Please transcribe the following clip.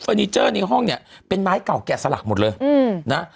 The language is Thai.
นิเจอร์ในห้องเนี่ยเป็นไม้เก่าแกะสลักหมดเลยนะ